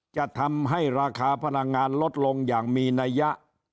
จะทำให้ราคาพลังงานลดลงอย่างมีนัยยะ